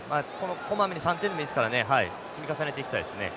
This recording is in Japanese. こまめに３点でいいですからね積み重ねていきたいですね。